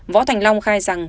võ thành long khai rằng